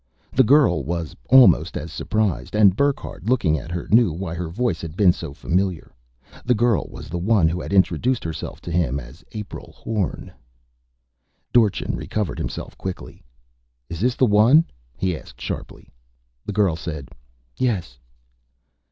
The girl was almost as surprised. And Burckhardt, looking at her, knew why her voice had been so familiar. The girl was the one who had introduced herself to him as April Horn. Dorchin recovered himself quickly. "Is this the one?" he asked sharply. The girl said, "Yes."